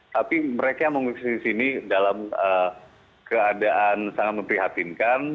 tapi mereka mengungsi sini dalam keadaan sangat memprihatinkan